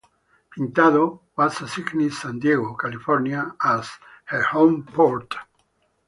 "Pintado" was assigned San Diego, California, as her home port.